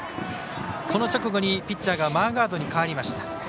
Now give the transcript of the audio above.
この直後にピッチャーがマーガードに代わりました。